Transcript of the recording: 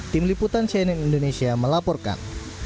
tim liputan cnn indonesia melaporkan